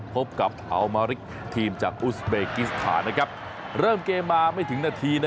พบกับอัลมาริกทีมจากอุสเบกิสถานเริ่มเกมมาไม่ถึงนาที